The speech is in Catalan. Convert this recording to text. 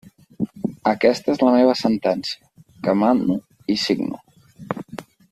Aquesta és la meva sentència, que mano i signo.